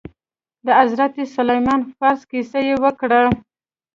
د حضرت سلمان فارس كيسه يې وكړه.